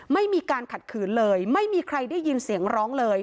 ไม่มีการขัดขืนเลยไม่มีใครได้ยินเสียงร้องเลย